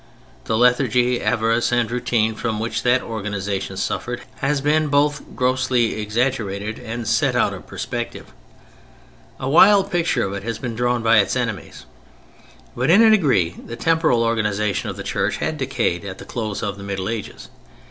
The lethargy, avarice, and routine from which that organization suffered, has been both grossly exaggerated and set out of perspective. A wild picture of it has been drawn by its enemies. But in a degree the temporal organization of the Church had decayed at the close of the Middle Ages.